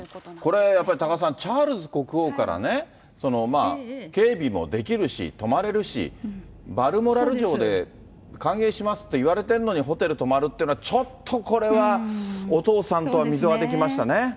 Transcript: これ、やっぱり多賀さん、チャールズ国王からね、警備もできるし、泊まれるし、バルモラル城で歓迎しますって言われてるのに、ホテル泊まるというのは、ちょっとこれは、お父さんとは溝ができましたね。